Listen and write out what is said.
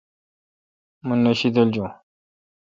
مہ نہ شیدل جون۔